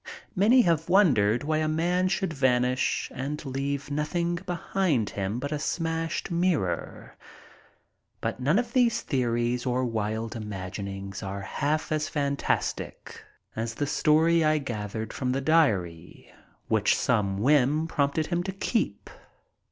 Many have wondered why a man should vanish and leave nothing behind him but a smashed mirror. But none of these theories or wild imaginings are half so fantastic as the story I gathered from the diary which some whim prompted him to keep.